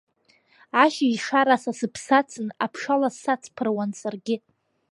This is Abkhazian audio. Ашьыжь шара са сыԥсы ацын, аԥшалас сацԥыруан саргьы.